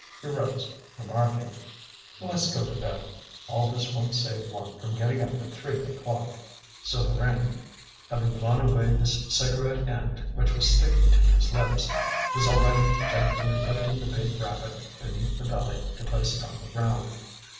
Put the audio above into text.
He rose, remarking: "Let's go to bed. All this won't save one from getting up at three o'clock." Souvarine, having blown away the cigarette end which was sticking to his lips, was already gently lifting the big rabbit beneath the belly to place it on the ground.